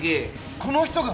この人が？